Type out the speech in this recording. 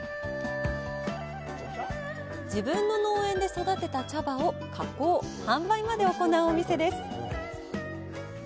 自分の農園で育てた茶葉を加工、販売まで行うお店です。